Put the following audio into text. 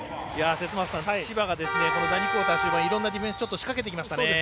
節政さん、千葉が第２クオーター終盤いろんなディフェンス仕掛けてきましたね。